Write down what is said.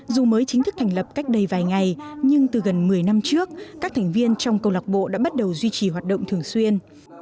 dù mới chính thức thành lập cách đây vài ngày nhưng từ gần một mươi năm trước các thành viên trong câu lạc bộ đã bắt đầu duy trì hoạt động thường xuyên